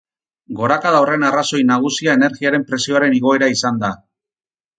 Gorakada horren arrazoi nagusia energiaren prezioaren igoera izan da.